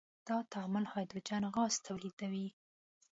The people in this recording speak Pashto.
دا تعامل هایدروجن غاز تولیدوي.